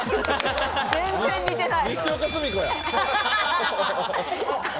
全然似てない。